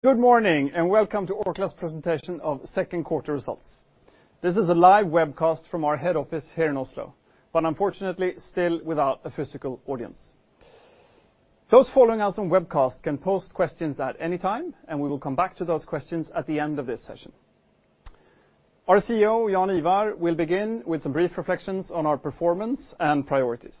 Good morning, and welcome to Orkla's presentation of second quarter results. This is a live webcast from our head office here in Oslo, but unfortunately, still without a physical audience. Those following us on webcast can post questions at any time, and we will come back to those questions at the end of this session. Our CEO, Jaan Ivar, will begin with some brief reflections on our performance and priorities.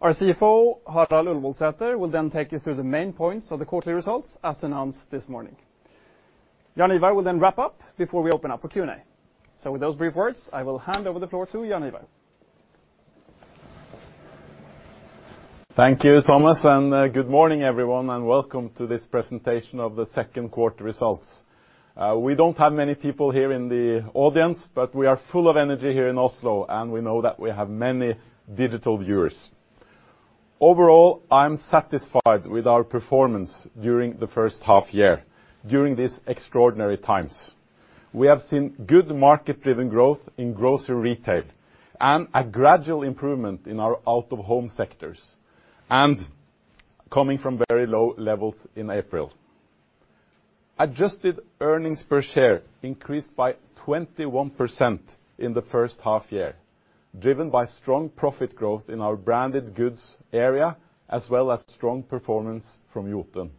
Our CFO, Harald Ullevoldsæter, will then take you through the main points of the quarterly results, as announced this morning. Jaan Ivar will then wrap up before we open up for Q&A. With those brief words, I will hand over the floor to Jaan Ivar. Thank you, Thomas, and good morning, everyone, and welcome to this presentation of the second quarter results. We don't have many people here in the audience, but we are full of energy here in Oslo, and we know that we have many digital viewers. Overall, I'm satisfied with our performance during the first half year during these extraordinary times. We have seen good market-driven growth in grocery retail and a gradual improvement in our out-of-home sectors, and coming from very low levels in April. Adjusted earnings per share increased by 21% in the first half year, driven by strong profit growth in our branded goods area, as well as strong performance from Jotun.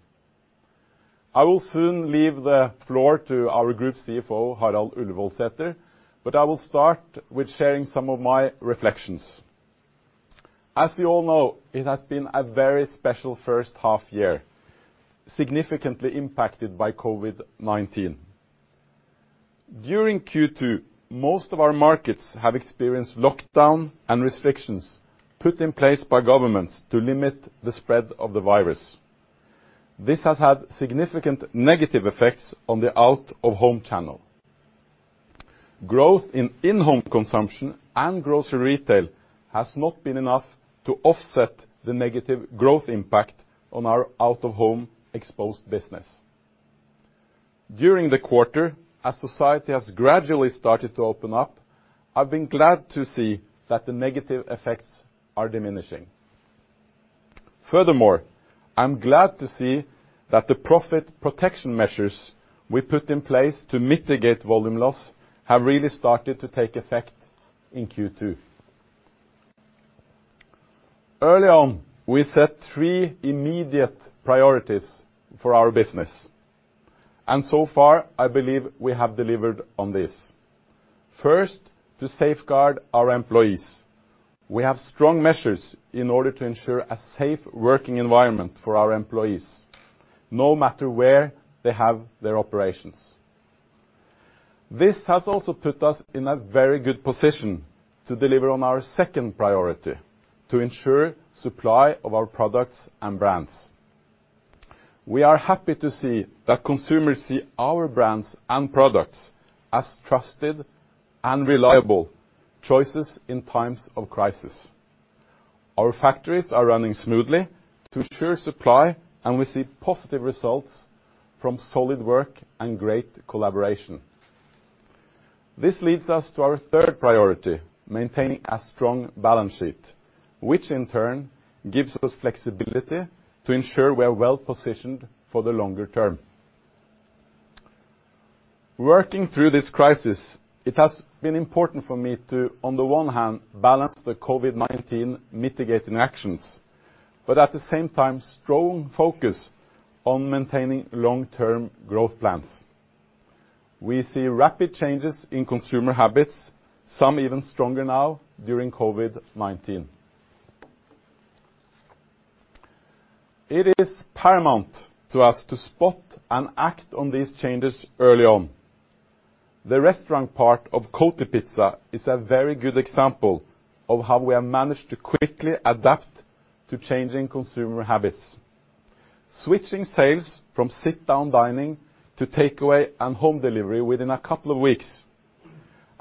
I will soon leave the floor to our Group CFO, Harald Ullevoldsæter, but I will start with sharing some of my reflections. As you all know, it has been a very special first half year, significantly impacted by COVID-19. During Q2, most of our markets have experienced lockdown and restrictions put in place by governments to limit the spread of the virus. This has had significant negative effects on the out-of-home channel. Growth in in-home consumption and grocery retail has not been enough to offset the negative growth impact on our out-of-home exposed business. During the quarter, as society has gradually started to open up, I've been glad to see that the negative effects are diminishing. Furthermore, I'm glad to see that the profit protection measures we put in place to mitigate volume loss have really started to take effect in Q2. Early on, we set three immediate priorities for our business, and so far, I believe we have delivered on this. First, to safeguard our employees. We have strong measures in order to ensure a safe working environment for our employees, no matter where they have their operations. This has also put us in a very good position to deliver on our second priority, to ensure supply of our products and brands. We are happy to see that consumers see our brands and products as trusted and reliable choices in times of crisis. Our factories are running smoothly to ensure supply, and we see positive results from solid work and great collaboration. This leads us to our third priority, maintaining a strong balance sheet, which in turn gives us flexibility to ensure we are well-positioned for the longer term. Working through this crisis, it has been important for me to, on the one hand, balance the COVID-19 mitigating actions, at the same time, strong focus on maintaining long-term growth plans. We see rapid changes in consumer habits, some even stronger now during COVID-19. It is paramount to us to spot and act on these changes early on. The restaurant part of Kotipizza is a very good example of how we have managed to quickly adapt to changing consumer habits. Switching sales from sit-down dining to takeaway and home delivery within a couple of weeks,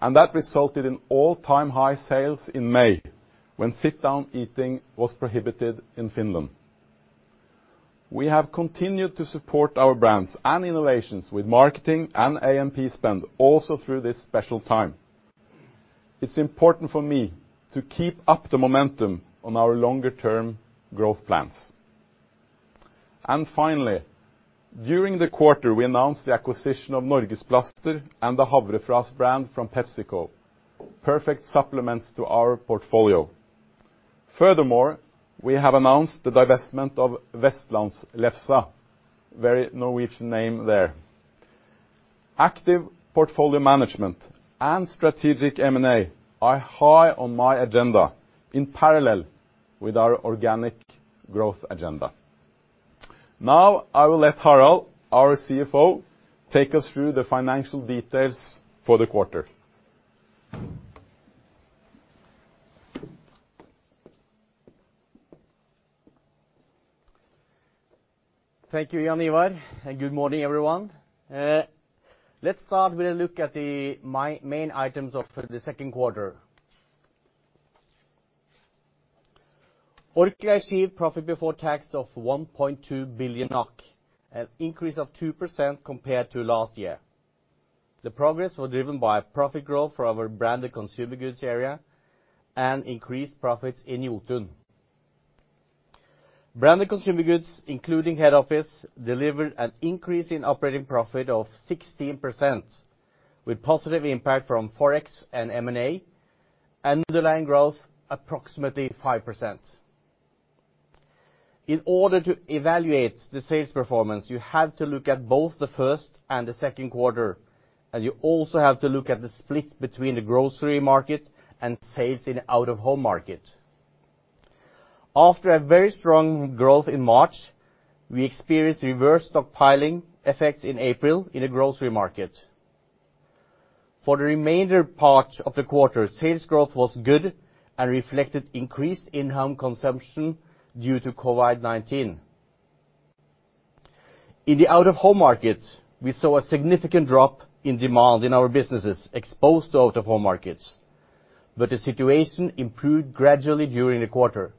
that resulted in all-time high sales in May, when sit-down eating was prohibited in Finland. We have continued to support our brands and innovations with marketing and A&P spend also through this special time. It's important for me to keep up the momentum on our longer term growth plans. Finally, during the quarter, we announced the acquisition of Norgesplaster and the Havrefras brand from PepsiCo, perfect supplements to our portfolio. Furthermore, we have announced the divestment of Vestlandslefsa, very Norwegian name there. Active portfolio management and strategic M&A are high on my agenda, in parallel with our organic growth agenda. I will let Harald, our CFO, take us through the financial details for the quarter. Thank you, Jaan Ivar, and good morning, everyone. Let's start with a look at the main items of the second quarter. Orkla achieved profit before tax of 1.2 billion NOK, an increase of 2% compared to last year. The progress was driven by profit growth for our branded consumer goods area and increased profits in Jotun. Branded consumer goods, including head office, delivered an increase in operating profit of 16%, with positive impact from Forex and M&A, underlying growth approximately 5%. In order to evaluate the sales performance, you have to look at both the first and the second quarter, you also have to look at the split between the grocery market and sales in out-of-home market. After a very strong growth in March, we experienced reverse stockpiling effects in April in the grocery market. For the remainder part of the quarter, sales growth was good and reflected increased in-home consumption due to COVID-19. In the out-of-home market, we saw a significant drop in demand in our businesses exposed to out-of-home markets. The situation improved gradually during the quarter.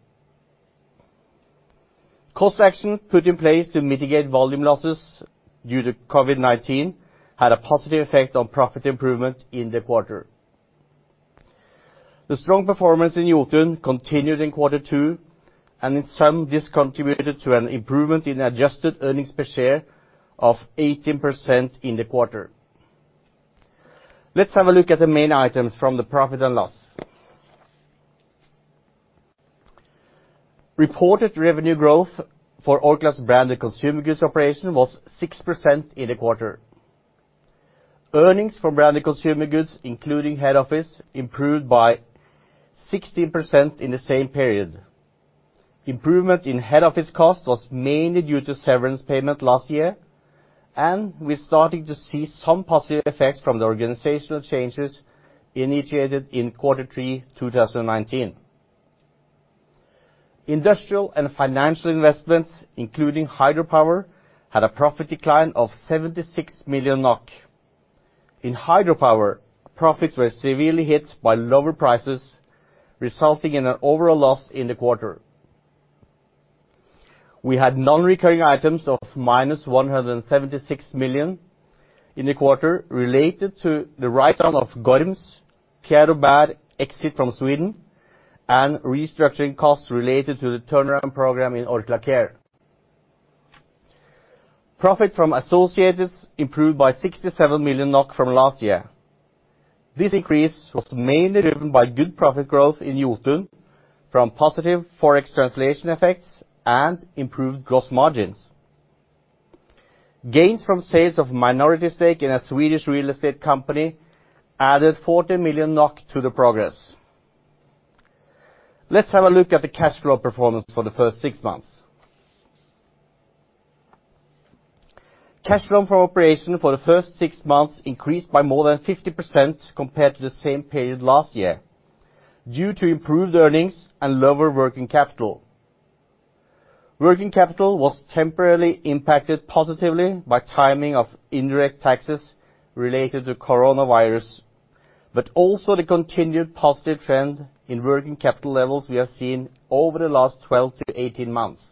Cost action put in place to mitigate volume losses due to COVID-19 had a positive effect on profit improvement in the quarter. The strong performance in Jotun continued in quarter two. In sum, this contributed to an improvement in adjusted earnings per share of 18% in the quarter. Let's have a look at the main items from the profit and loss. Reported revenue growth for Orkla's branded consumer goods operation was 6% in the quarter. Earnings from branded consumer goods, including head office, improved by 16% in the same period. Improvement in head office cost was mainly due to severance payment last year, and we're starting to see some positive effects from the organizational changes initiated in quarter three 2019. Industrial and financial investments, including hydropower, had a profit decline of 76 million NOK. In hydropower, profits were severely hit by lower prices, resulting in an overall loss in the quarter. We had non-recurring items of minus 176 million in the quarter related to the write-down of Gorm's, Care of Bad exit from Sweden, and restructuring costs related to the turnaround program in Orkla Care. Profit from associates improved by 67 million NOK from last year. This increase was mainly driven by good profit growth in Jotun from positive Forex translation effects and improved gross margins. Gains from sales of minority stake in a Swedish real estate company added 40 million NOK to the progress. Let's have a look at the cash flow performance for the first six months. Cash flow from operation for the first six months increased by more than 50% compared to the same period last year due to improved earnings and lower working capital. Working capital was temporarily impacted positively by timing of indirect taxes related to COVID-19, but also the continued positive trend in working capital levels we have seen over the last 12-18 months.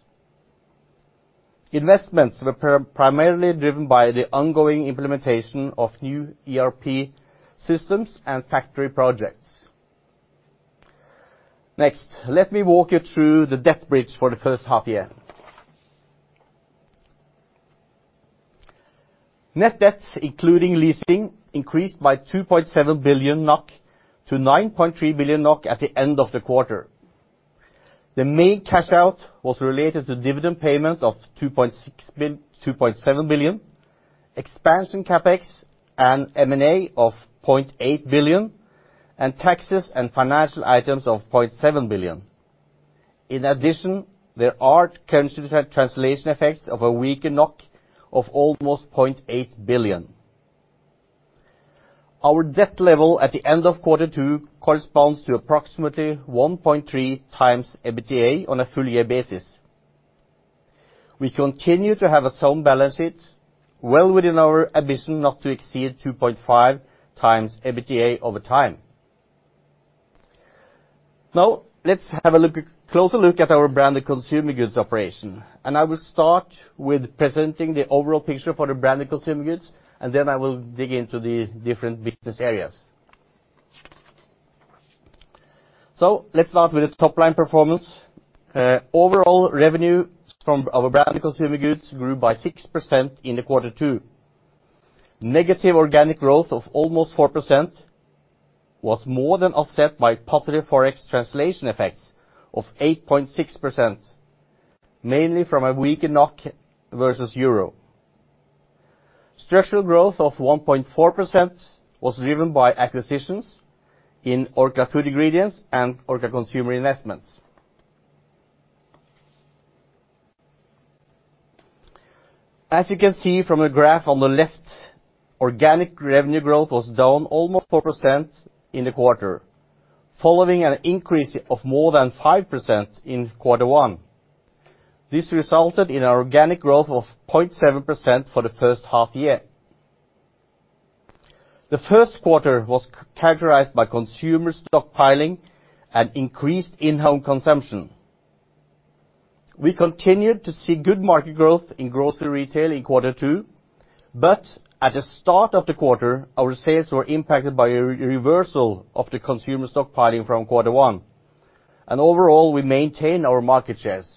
Investments were primarily driven by the ongoing implementation of new ERP systems and factory projects. Next, let me walk you through the debt bridge for the first half year. Net debts, including leasing, increased by 2.7 billion NOK to 9.3 billion NOK at the end of the quarter. The main cash out was related to dividend payment of 2.7 billion, expansion CapEx and M&A of 0.8 billion, and taxes and financial items of 0.7 billion. There are currency translation effects of a weaker NOK of almost 0.8 billion. Our debt level at the end of quarter two corresponds to approximately 1.3x EBITDA on a full year basis. We continue to have a sound balance sheet, well within our ambition not to exceed 2.5x EBITDA over time. Let's have a closer look at our branded consumer goods operation. I will start with presenting the overall picture for the branded consumer goods, then I will dig into the different business areas. Let's start with the top-line performance. Overall revenue from our branded consumer goods grew by 6% in the quarter two. Negative organic growth of almost 4% was more than offset by positive Forex translation effects of 8.6%, mainly from a weaker NOK versus EUR. Structural growth of 1.4% was driven by acquisitions in Orkla Food Ingredients and Orkla Consumer Investments. As you can see from the graph on the left, organic revenue growth was down almost 4% in the quarter, following an increase of more than 5% in quarter one. This resulted in organic growth of 0.7% for the first half year. The first quarter was characterized by consumer stockpiling and increased in-home consumption. We continued to see good market growth in grocery retail in quarter two, but at the start of the quarter, our sales were impacted by a reversal of the consumer stockpiling from quarter one. Overall, we maintained our market shares.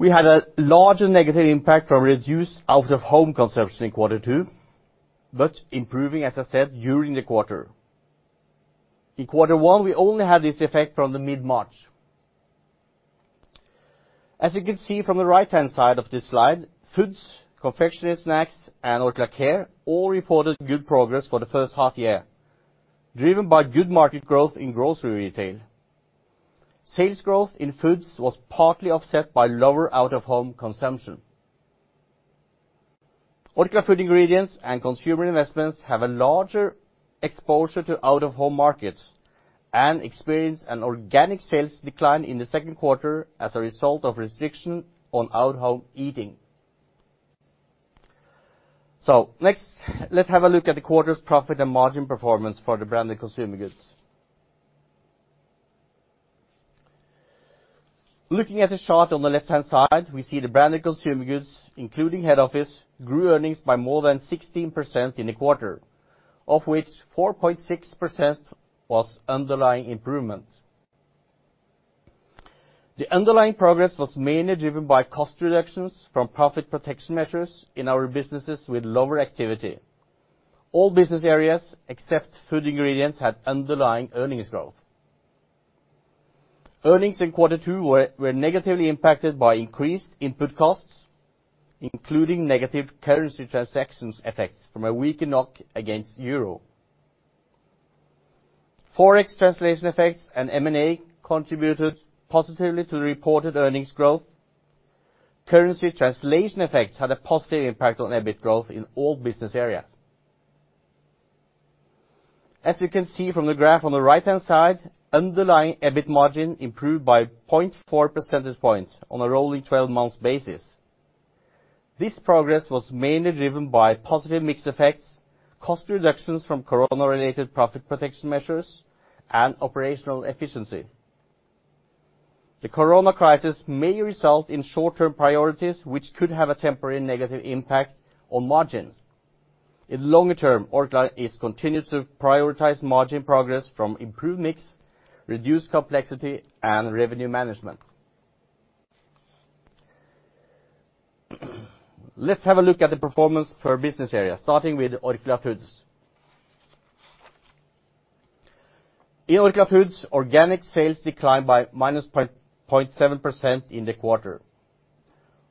We had a larger negative impact from reduced out-of-home consumption in quarter 2, but improving, as I said, during the quarter. In quarter 1, we only had this effect from the mid-March. As you can see from the right-hand side of this slide, foods, confectionery, snacks, and Orkla Care all reported good progress for the first half year, driven by good market growth in grocery retail. Sales growth in foods was partly offset by lower out-of-home consumption. Orkla Food Ingredients and Consumer Investments have a larger exposure to out-of-home markets and experienced an organic sales decline in the second quarter as a result of restriction on out-home eating. Next, let's have a look at the quarter's profit and margin performance for the Branded Consumer Goods. Looking at the chart on the left-hand side, we see the Branded Consumer Goods, including head office, grew earnings by more than 16% in a quarter, of which 4.6% was underlying improvement. The underlying progress was mainly driven by cost reductions from profit protection measures in our businesses with lower activity. All business areas, except Food Ingredients, had underlying earnings growth. Earnings in quarter two were negatively impacted by increased input costs, including negative currency translation effects from a weakened NOK against EUR. Forex translation effects and M&A contributed positively to the reported earnings growth. Currency translation effects had a positive impact on EBIT growth in all business areas. As you can see from the graph on the right-hand side, underlying EBIT margin improved by 0.4 percentage points on a rolling 12-months basis. This progress was mainly driven by positive mix effects, cost reductions from corona-related profit protection measures, and operational efficiency. The corona crisis may result in short-term priorities, which could have a temporary negative impact on margins. In longer term, Orkla continued to prioritize margin progress from improved mix, reduced complexity, and revenue management. Let's have a look at the performance per business area, starting with Orkla Foods. In Orkla Foods, organic sales declined by -0.7% in the quarter.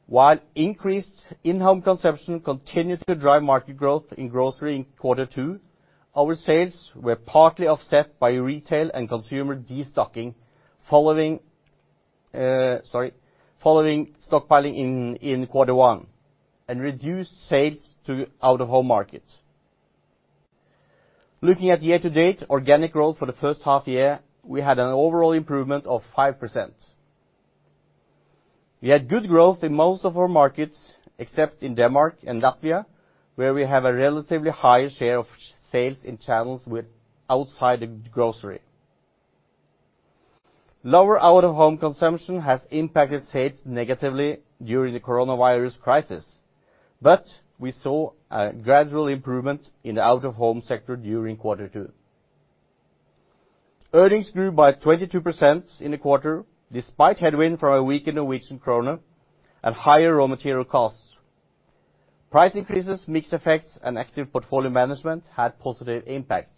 While increased in-home consumption continued to drive market growth in grocery in quarter two, our sales were partly offset by retail and consumer destocking following, sorry, stockpiling in quarter one and reduced sales to out-of-home markets. Looking at year to date, organic growth for the first half year, we had an overall improvement of 5%. We had good growth in most of our markets, except in Denmark and Latvia, where we have a relatively higher share of sales in channels with out-of-home. Lower out-of-home consumption has impacted sales negatively during the COVID-19 crisis, but we saw a gradual improvement in the out-of-home sector during quarter two. Earnings grew by 22% in the quarter, despite headwind from a weakened Norwegian krone and higher raw material costs. Price increases, mix effects, and active portfolio management had positive impact,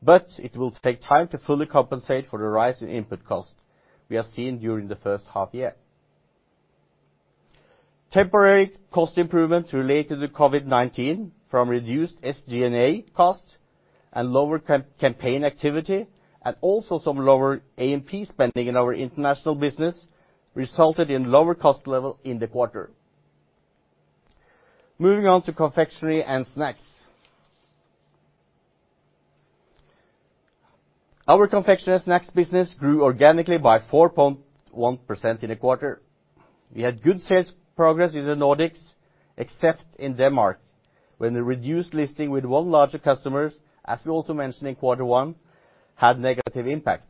but it will take time to fully compensate for the rise in input cost we have seen during the first half-year. Temporary cost improvements related to COVID-19 from reduced SG&A costs and lower campaign activity, and also some lower A&P spending in our international business, resulted in lower cost level in the quarter. Moving on to confectionery and snacks. Our confectionery and snacks business grew organically by 4.1% in a quarter. We had good sales progress in the Nordics, except in Denmark, when the reduced listing with one larger customers, as we also mentioned in quarter one, had negative impact.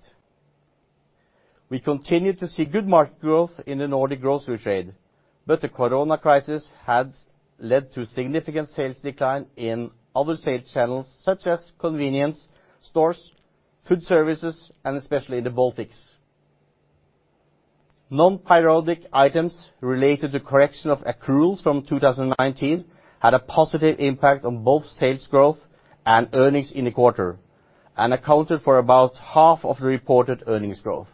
The corona crisis had led to significant sales decline in other sales channels such as convenience stores, food services, and especially the Baltics. Non-periodic items related to correction of accruals from 2019 had a positive impact on both sales growth and earnings in the quarter and accounted for about half of the reported earnings growth.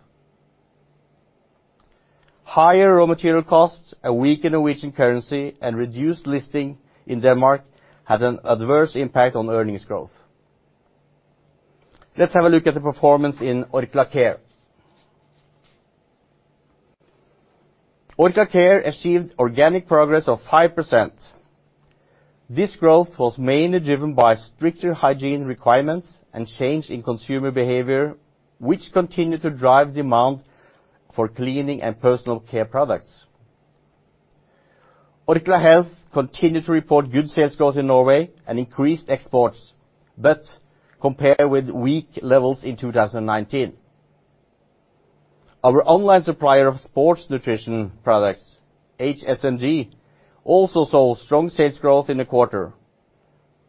Higher raw material costs, a weakened Norwegian currency, and reduced listing in Denmark had an adverse impact on earnings growth. Let's have a look at the performance in Orkla Care. Orkla Care achieved organic progress of 5%. This growth was mainly driven by stricter hygiene requirements and change in consumer behavior, which continued to drive demand for cleaning and personal care products. Orkla Health continued to report good sales growth in Norway and increased exports, but compared with weak levels in 2019. Our online supplier of sports nutrition products, HSNG, also saw strong sales growth in the quarter,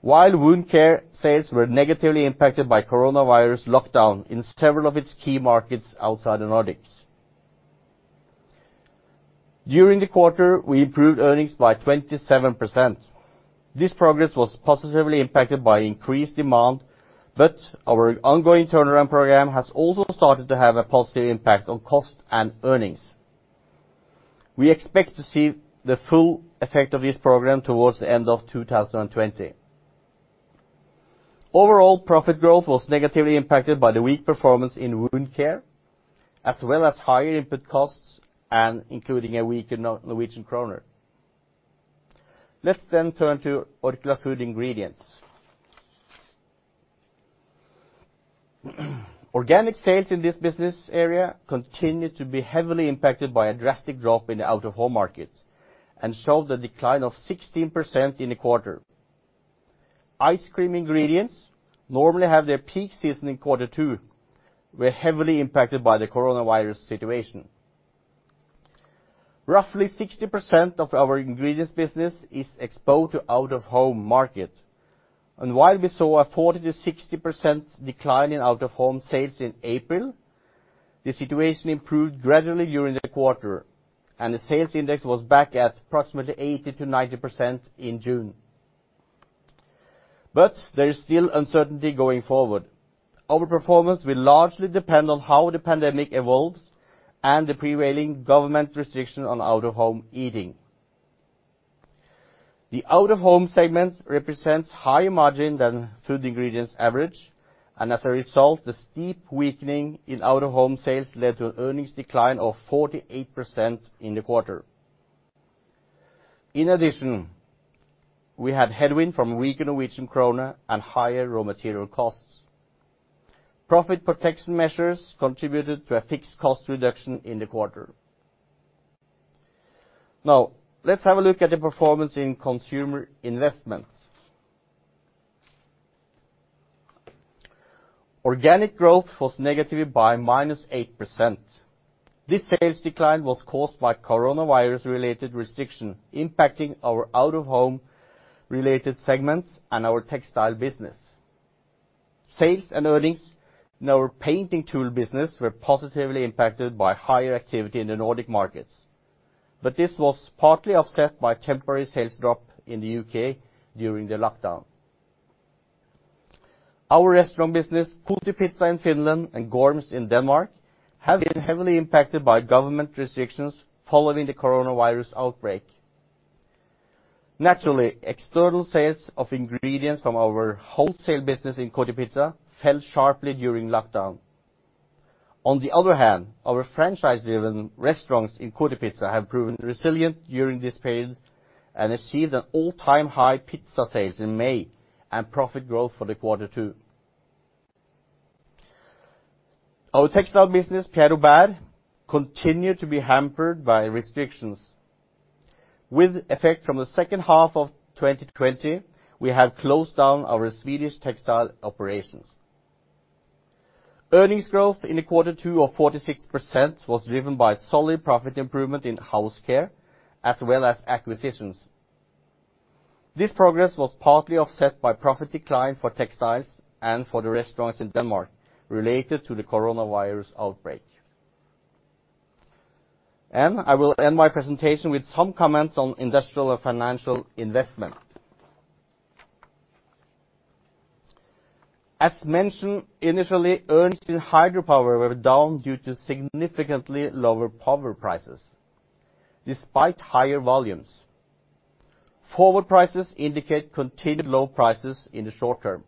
while Wound Care sales were negatively impacted by coronavirus lockdown in several of its key markets outside the Nordics. During the quarter, we improved earnings by 27%. This progress was positively impacted by increased demand, but our ongoing turnaround program has also started to have a positive impact on cost and earnings. We expect to see the full effect of this program towards the end of 2020. Overall, profit growth was negatively impacted by the weak performance in Wound Care, as well as higher input costs, including a weaker Norwegian kroner. Let's turn to Orkla Food Ingredients. Organic sales in this business area continued to be heavily impacted by a drastic drop in the out-of-home market, showed a decline of 16% in the quarter. Ice cream ingredients normally have their peak season in quarter two, were heavily impacted by the coronavirus situation. Roughly 60% of our ingredients business is exposed to out-of-home market. While we saw a 40%-60% decline in out-of-home sales in April, the situation improved gradually during the quarter, the sales index was back at approximately 80%-90% in June. There is still uncertainty going forward. Our performance will largely depend on how the pandemic evolves and the prevailing government restriction on out-of-home eating. The out-of-home segment represents higher margin than food ingredients average. As a result, the steep weakening in out-of-home sales led to an earnings decline of 48% in the quarter. In addition, we had headwind from weaker Norwegian kroner and higher raw material costs. Profit protection measures contributed to a fixed cost reduction in the quarter. Now, let's have a look at the performance in Consumer Investments. Organic growth was negatively by -8%. This sales decline was caused by COVID-19-related restriction impacting our out-of-home related segments and our textile business. Sales and earnings in our painting tool business were positively impacted by higher activity in the Nordic markets, but this was partly offset by a temporary sales drop in the U.K. during the lockdown. Our restaurant business, Kotipizza in Finland and Gorm's in Denmark, have been heavily impacted by government restrictions following the COVID-19 outbreak. Naturally, external sales of ingredients from our wholesale business in Kotipizza fell sharply during lockdown. Our franchise-driven restaurants in Kotipizza have proven resilient during this period and achieved an all-time high pizza sales in May and profit growth for the quarter too. Our textile business, Pierre Robert Group, continued to be hampered by restrictions. With effect from the second half of 2020, we have closed down our Swedish textile operations. Earnings growth in the quarter two of 46% was driven by solid profit improvement in House Care, as well as acquisitions. This progress was partly offset by profit decline for textiles and for the restaurants in Denmark related to the coronavirus outbreak. I will end my presentation with some comments on industrial and financial investment. As mentioned initially, earnings in hydropower were down due to significantly lower power prices despite higher volumes. Forward prices indicate continued low prices in the short-term.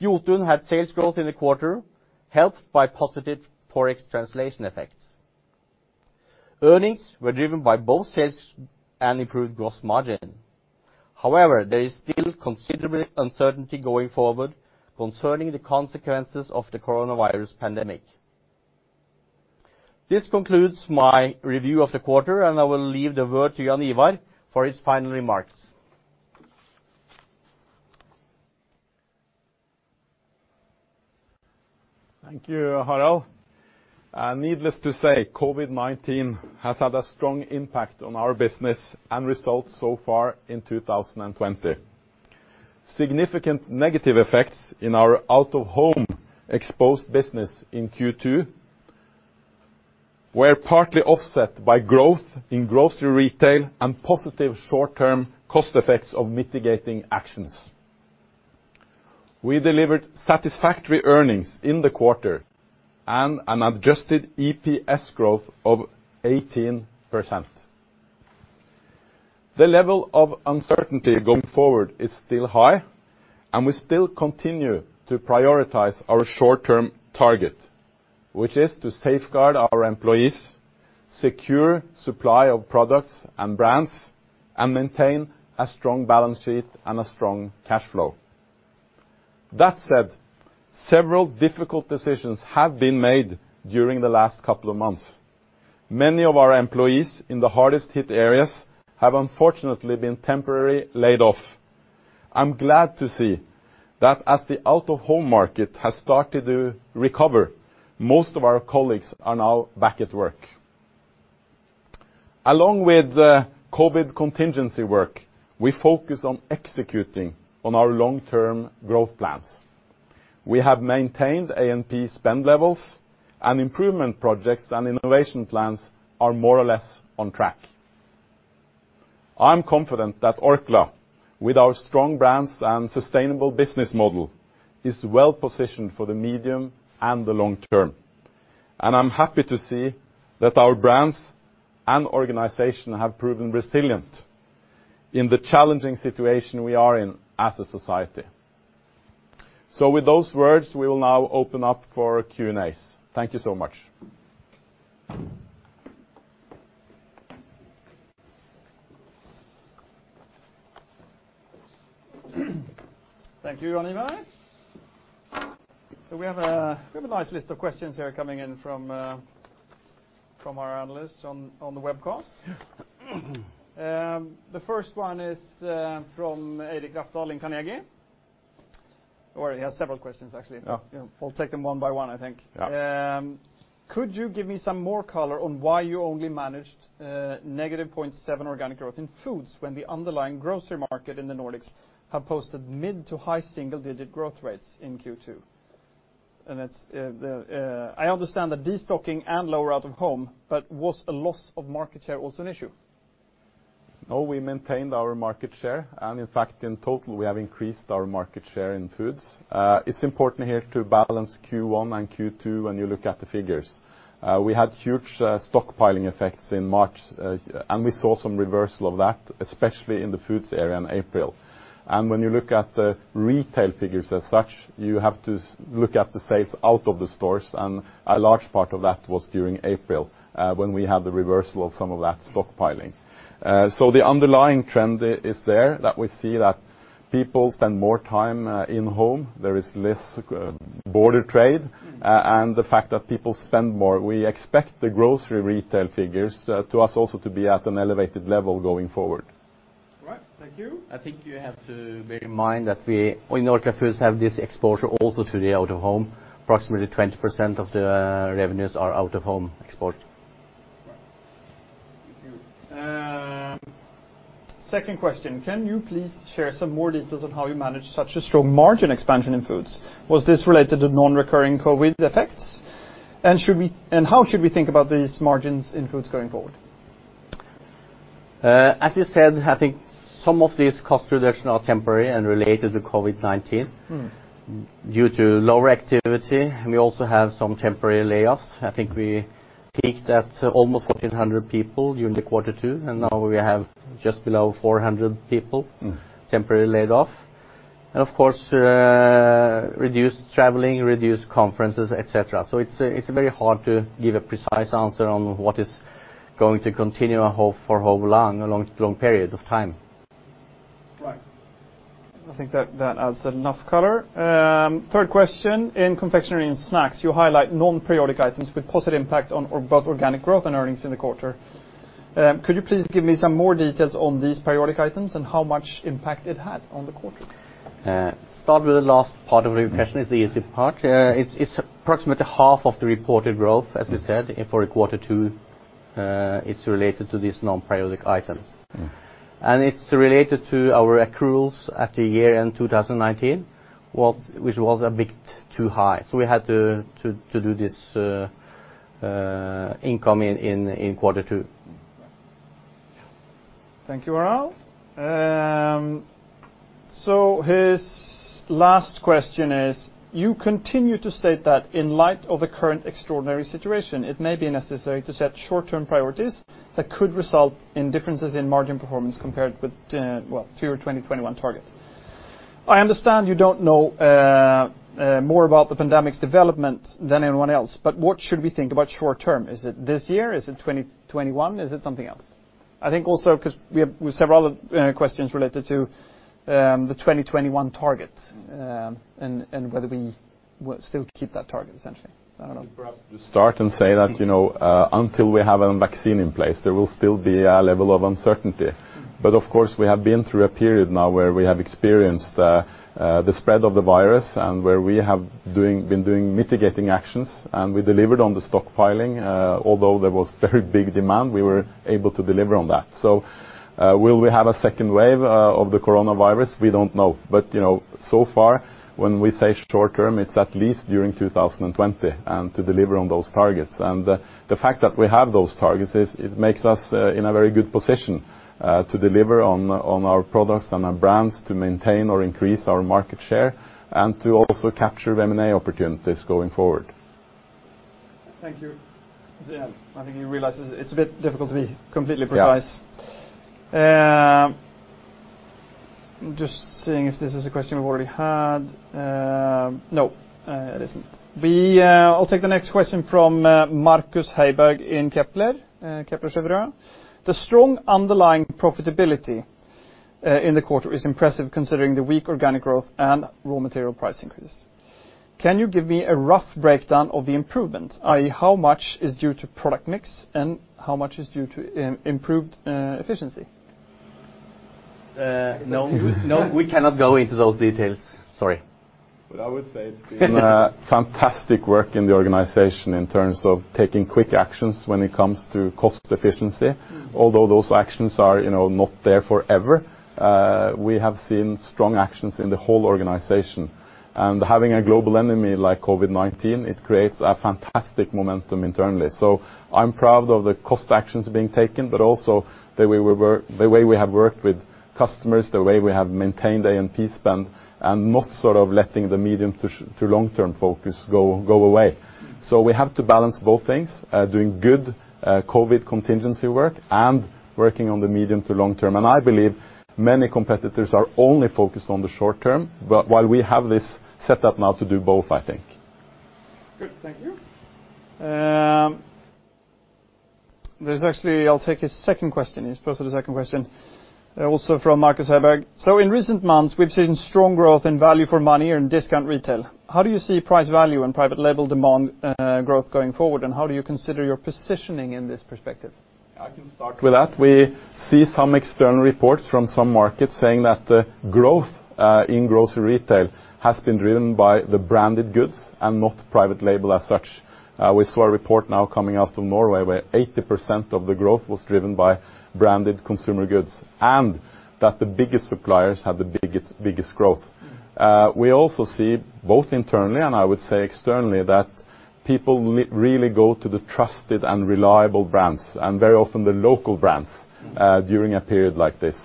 Jotun had sales growth in the quarter helped by positive Forex translation effects. Earnings were driven by both sales and improved gross margin. However, there is still considerable uncertainty going forward concerning the consequences of the coronavirus pandemic. This concludes my review of the quarter, and I will leave the word to Jaan Ivar for his final remarks. Thank you, Harald. Needless to say, COVID-19 has had a strong impact on our business and results so far in 2020. Significant negative effects in our out-of-home exposed business in Q2 were partly offset by growth in grocery retail and positive short-term cost effects of mitigating actions. We delivered satisfactory earnings in the quarter and an adjusted EPS growth of 18%. The level of uncertainty going forward is still high, and we still continue to prioritize our short-term target, which is to safeguard our employees, secure supply of products and brands, and maintain a strong balance sheet and a strong cash flow. That said, several difficult decisions have been made during the last couple of months. Many of our employees in the hardest hit areas have unfortunately been temporarily laid off. I'm glad to see that as the out-of-home market has started to recover, most of our colleagues are now back at work. Along with the COVID contingency work, we focus on executing on our long-term growth plans. We have maintained A&P spend levels and improvement projects and innovation plans are more or less on track. I'm confident that Orkla, with our strong brands and sustainable business model, is well-positioned for the medium and the long term. I'm happy to see that our brands and organization have proven resilient in the challenging situation we are in as a society. With those words, we will now open up for Q&As. Thank you so much. Thank you, Jaan Ivar. We have a nice list of questions here coming in from our analysts on the webcast. The first one is from Eirik Rafdal in Carnegie. He has several questions, actually. We'll take them one by one, I think. Could you give me some more color on why you only managed negative 0.7% organic growth in foods when the underlying grocery market in the Nordics have posted mid to high single-digit growth rates in Q2? That's the, I understand the destocking and lower out-of-home, but was a loss of market share also an issue? No, we maintained our market share. In fact, in total, we have increased our market share in foods. It's important here to balance Q1 and Q2 when you look at the figures. We had huge stockpiling effects in March. We saw some reversal of that, especially in the foods area in April. When you look at the retail figures as such, you have to look at the sales out of the stores. A large part of that was during April when we had the reversal of some of that stockpiling. The underlying trend is there that we see that people spend more time in home, there is less border trade, the fact that people spend more. We expect the grocery retail figures to us also to be at an elevated level going forward. All right, thank you. I think you have to bear in mind that we in Orkla Foods have this exposure also to the out of home. Approximately 20% of the revenues are out of home export. Right. Thank you. Second question, can you please share some more details on how you managed such a strong margin expansion in Orkla Foods? Was this related to non-recurring COVID effects? How should we think about these margins in Orkla Foods going forward? As you said, having some of these cost reduction are temporary and related to COVID-19 due to lower activity. We also have some temporary layoffs. I think we peaked at almost 1,400 people during the quarter two. Now we have just below 400 people, temporarily laid off. Of course, reduced traveling, reduced conferences, et cetera. It's very hard to give a precise answer on what is going to continue or for how long, a long period of time. Right. I think that adds enough color. Third question, in confectionery and snacks, you highlight non-periodic items with positive impact on both organic growth and earnings in the quarter. Could you please give me some more details on these non-periodic items and how much impact it had on the quarter? Start with the last part of your question is the easy part. It's approximately half of the reported growth, as we said, for quarter two, is related to these non-periodic items. It's related to our accruals at the year-end 2019, which was a bit too high. We had to do this income in quarter two. Thank you, Harald. His last question is, you continue to state that in light of the current extraordinary situation, it may be necessary to set short-term priorities that could result in differences in margin performance compared with, well, to your 2021 target. I understand you don't know more about the pandemic's development than anyone else, what should we think about short term? Is it this year? Is it 2021? Is it something else? I think also because we have several other questions related to the 2021 target, and whether we will still keep that target, essentially. I don't know. Perhaps to start and say that, you know, until we have a vaccine in place, there will still be a level of uncertainty. Of course, we have been through a period now where we have experienced the spread of the virus and where we have been doing mitigating actions, and we delivered on the stockpiling. Although there was very big demand, we were able to deliver on that. Will we have a second wave of the coronavirus? We don't know. You know, so far when we say short term, it's at least during 2020 and to deliver on those targets. The fact that we have those targets is it makes us in a very good position to deliver on our products and our brands to maintain or increase our market share and to also capture M&A opportunities going forward. Thank you. Yeah, I think you realize it's a bit difficult to be completely precise. Yeah. I'm just seeing if this is a question we've already had. no, it isn't. I'll take the next question from, Markus Heiberg in Kepler Cheuvreux. The strong underlying profitability, in the quarter is impressive considering the weak organic growth and raw material price increase. Can you give me a rough breakdown of the improvement, i.e., how much is due to product mix and how much is due to improved efficiency? No, we cannot go into those details. Sorry. I would say it's been fantastic work in the organization in terms of taking quick actions when it comes to cost efficiency. Although those actions are not there forever, we have seen strong actions in the whole organization. Having a global enemy like COVID-19, it creates a fantastic momentum internally. I'm proud of the cost actions being taken, but also the way we have worked with customers, the way we have maintained A&P spend, and not sort of letting the medium to long term focus go away. We have to balance both things, doing good COVID contingency work and working on the medium to long term. I believe many competitors are only focused on the short term, but while we have this set up now to do both, I think. Good, thank you. I'll take his second question. He's posted a second question, also from Markus Heiberg. In recent months, we've seen strong growth in value for money in discount retail. How do you see price value and private label demand growth going forward, and how do you consider your positioning in this perspective? I can start with that. We see some external reports from some markets saying that the growth in grocery retail has been driven by the branded goods and not private label as such. We saw a report now coming out from Norway where 80% of the growth was driven by branded consumer goods, and that the biggest suppliers have the biggest growth. We also see both internally and, I would say, externally, that people really go to the trusted and reliable brands, and very often the local brands, during a period like this.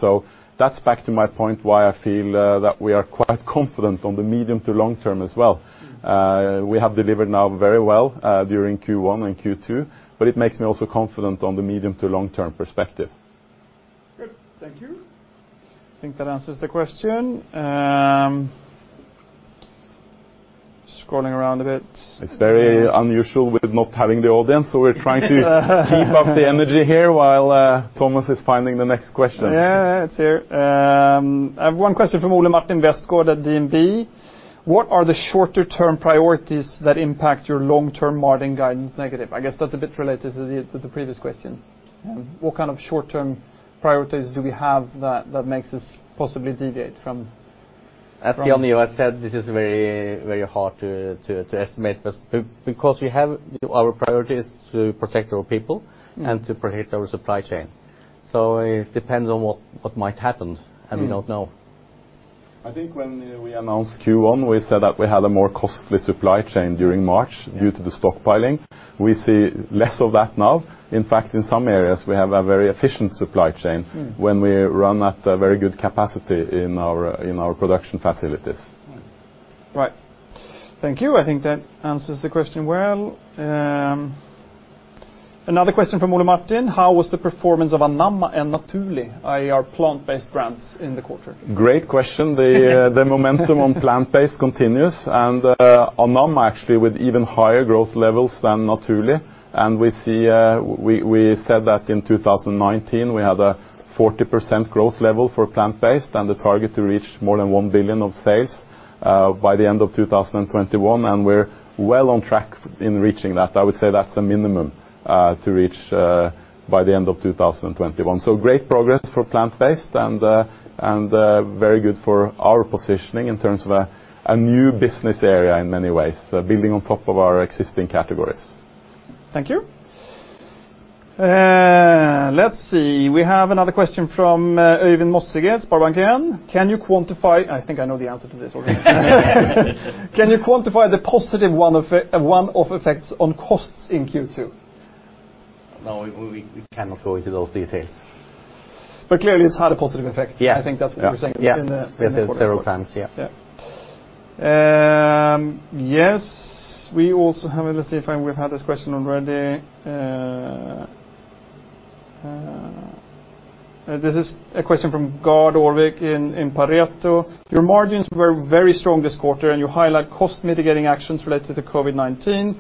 That's back to my point why I feel that we are quite confident on the medium to long term as well. We have delivered now very well during Q1 and Q2, it makes me also confident on the medium to long term perspective. Good, thank you. I think that answers the question. Scrolling around a bit. It's very unusual with not having the audience, so we're trying to keep up the energy here while Thomas is finding the next question. Yeah. It's here. I have one question from Ole Martin Westgaard at DNB. What are the shorter term priorities that impact your long term margin guidance negative? I guess that's a bit related to the previous question. What kind of short term priorities do we have that makes us possibly deviate from. As Jaan Ivar said, this is very hard to estimate because we have our priorities to protect our people and to protect our supply chain. It depends on what might happen, and we don't know. I think when we announced Q1, we said that we had a more costly supply chain during March due to the stockpiling. We see less of that now. In fact, in some areas, we have a very efficient supply chain when we run at a very good capacity in our production facilities. Right. Thank you. I think that answers the question well. Another question from Ole Martin: How was the performance of Anamma and Naturli', i.e. our plant-based brands, in the quarter? Great question. The momentum on plant-based continues. Anamma actually with even higher growth levels than Naturli'. We said that in 2019, we had a 40% growth level for plant-based and the target to reach more than 1 billion of sales by the end of 2021. We're well on track in reaching that. I would say that's a minimum to reach by the end of 2021. Great progress for plant-based and very good for our positioning in terms of a new business area in many ways, building on top of our existing categories. Thank you. Let's see. We have another question from Øyvind Mossige, Sparebanken. I think I know the answer to this already. Can you quantify the positive one-off effects on costs in Q2? No, we cannot go into those details. Clearly it's had a positive effect. Yeah. I think that's what you're saying. Yeah. In the quarter. We have said it several times, yeah. Yeah. Yes. Let's see if we've had this question already. This is a question from Gard Aarvik in Pareto. Your margins were very strong this quarter, and you highlight cost mitigating actions related to COVID-19.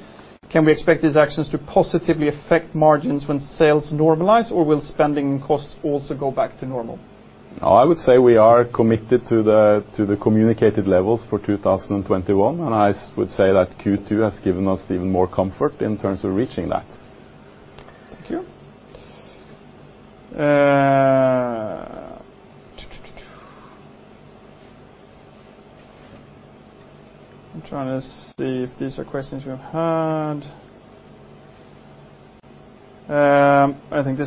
Can we expect these actions to positively affect margins when sales normalize, or will spending costs also go back to normal? I would say we are committed to the communicated levels for 2021. I would say that Q2 has given us even more comfort in terms of reaching that. Thank you. I'm trying to see if these are questions we've had. I think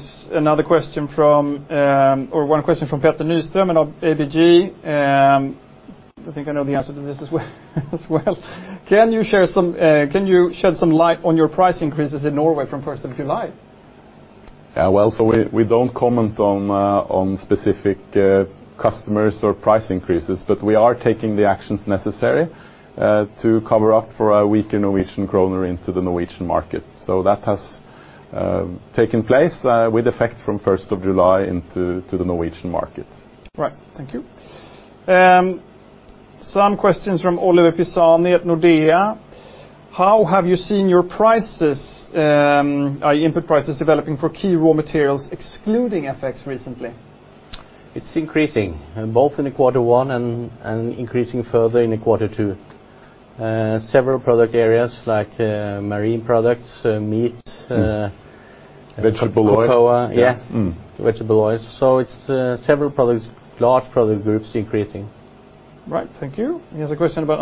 one question from Petter Nystrøm at ABG. I think I know the answer to this as well. Can you shed some light on your price increases in Norway from 1st of July? Yeah. Well, we don't comment on specific customers or price increases. We are taking the actions necessary to cover up for a weaker Norwegian kroner into the Norwegian market. That has taken place with effect from 1st of July into the Norwegian market. Right. Thank you. Some questions from Oliver Pisani at Nordea. How have you seen your input prices developing for key raw materials excluding FX recently? It's increasing both in the quarter one and increasing further in the quarter two. Several product areas like marine products, meat, cocoa. Yeah. Vegetable oil. Vegetable oils. It's several products, large product groups increasing. Right. Thank you. He has a question about,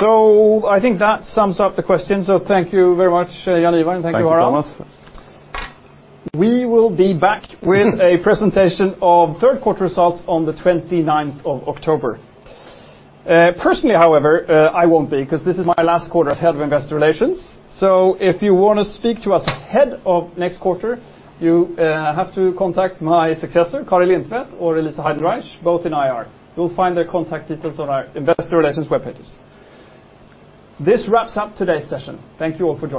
I think that sums up the questions, so thank you very much, Jaan Ivar. Thank you, Harald. Thank you, Thomas. We will be back with a presentation of third quarter results on the 29th of October. Personally, however, I won't be, because this is my last quarter as head of Investor Relations, so if you want to speak to us ahead of next quarter, you have to contact my successor, Kari Lindtvedt or Elise Heidenreich, both in IR. You'll find their contact details on our Investor Relations webpages. This wraps up today's session. Thank you all for joining.